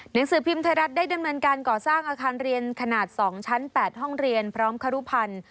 หนังสือพิมพ์ไทยรัฐได้ดำเนินการก่อสร้างอาคารเรียนขนาด๒ชั้น๘ห้องเรียนพร้อมครุพันธ์